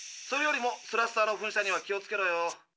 それよりもスラスターのふん射には気をつけろよ。